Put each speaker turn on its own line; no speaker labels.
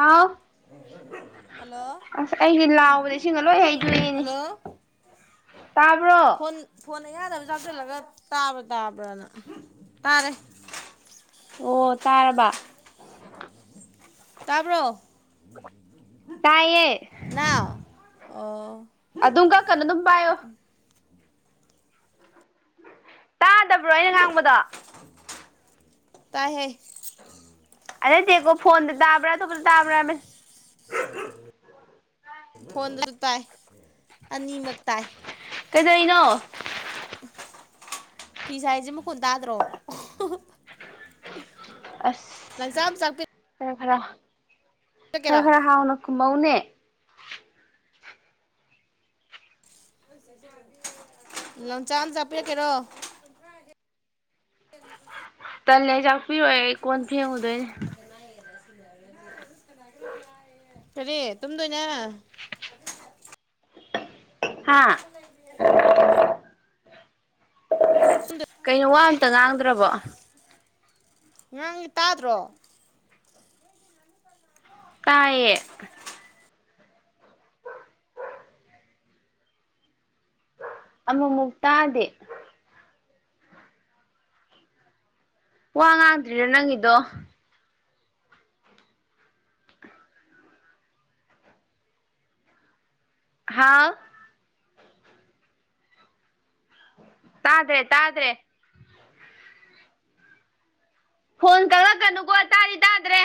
ꯍꯥꯎ
hello
ꯑꯁ ꯑꯩꯗꯤ ꯂꯥꯎꯕꯗ ꯏꯁꯤꯡꯅ ꯂꯣꯏ ꯍꯩꯗꯣꯏꯦꯅꯤ
ꯍꯜꯂꯣ
ꯇꯥꯕ꯭ꯔꯣ
ꯅ ꯌꯥꯌꯥꯗꯕ ꯆꯥꯞꯁꯤꯜꯂꯒ ꯇꯥꯕ꯭ꯔꯥ ꯇꯥꯕ꯭ꯔꯅ ꯇꯥꯔꯦ
ꯑꯣ ꯇꯥꯔꯔꯕ
ꯇꯔꯕꯣ
ꯇꯥꯏꯌꯦ
ꯅꯥꯎ ꯑꯣ
ꯑꯗꯨꯝ ꯀꯛ ꯀꯩꯅꯣ ꯑꯗꯨꯝ ꯄꯥꯏꯌꯣ ꯇꯥꯗꯕ꯭ꯔꯣ ꯑꯩꯅ ꯉꯥꯡꯕꯗꯣ
ꯇꯥꯏ ꯍꯦ
ꯑꯗꯒꯣ ꯐꯣꯟꯗ ꯇꯥꯕ꯭ꯔꯥ ꯇ ꯄꯨꯅ ꯇꯥꯕ꯭ꯔ ꯃ
ꯍꯅ ꯇꯥꯏ ꯑꯅꯤꯃꯛ ꯇꯥꯏ
ꯁꯤꯩꯅꯣ
ꯐꯤꯁ ꯍꯥꯏꯁꯦ ꯃꯈꯨꯟ ꯇꯥꯗ꯭ꯔꯣ
ꯑꯁ
ꯂꯪꯁꯝ ꯆꯄꯤ
ꯈꯔ ꯈꯔ ꯈꯔ ꯈꯔ ꯍꯥꯎꯅ ꯀꯨꯝ ꯃꯧꯅꯦ
ꯂꯝꯣꯟꯆꯥꯟ ꯑꯃ ꯆꯄꯤꯤꯔꯛꯀꯦꯔꯣ
ꯇꯜꯂꯦ ꯆꯥꯛꯄꯤꯔꯣꯏ ꯑꯩ ꯀꯣꯟ ꯐꯦꯡꯉꯨꯗꯣꯏꯅꯦ
ꯀꯔꯤꯦ ꯇꯨꯝꯗꯣꯏꯅꯦ
ꯍꯥꯥ
ꯅꯪ ꯇꯨꯝꯗꯣꯏ
ꯀꯩꯅꯣ ꯋꯥ ꯑꯝꯇ ꯉꯥꯡꯗ꯭ꯔꯕꯣ
ꯉꯥꯡꯒꯤ ꯇꯥꯗ꯭ꯔꯣ
ꯇꯌꯦꯦ ꯑꯃꯃ ꯃꯨꯛꯇꯛꯇꯗꯦ ꯋꯥ ꯉꯥꯛꯗ꯭ꯔꯤꯔꯣ ꯅꯪꯗꯣ ꯍꯥꯎ ꯇꯥꯗ꯭ꯔꯦ ꯇꯥꯗ꯭ꯔꯦ ꯐꯣꯟ ꯀꯪꯂꯂꯛꯀꯅꯨꯀꯣ ꯇꯥꯗꯤ ꯇꯥꯗ꯭ꯔꯦ